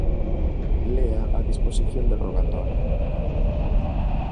Lea a disposición derrogatoria.